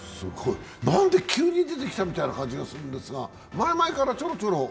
何で急に出てきたみたいなに感じがするんですけど、前々からちょろちょろ。